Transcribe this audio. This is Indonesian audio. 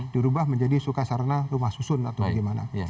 dirubah menjadi sukasarana rumah susun atau bagaimana